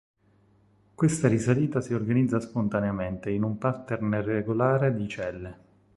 Questa risalita si organizza spontaneamente in un pattern regolare di celle.